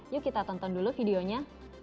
yuk kita tonton dulu videonya